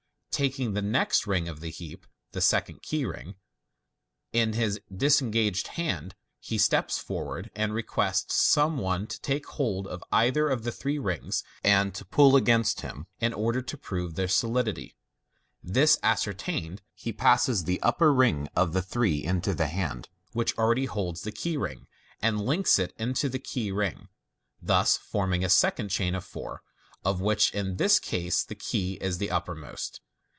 Ta^ ing the next ring of the heap (the second key ring) in his disenofa^ed hand, he steps forward, and requests some one to take hold of either of the three rings, and to pull against him, in order to prove their solidity., This ascertained, he passes the upper ring of the three into the hand which already holds the key ring, and links it into the key ring, thus forming a second chain of four, of which in this case the key is the uppermost.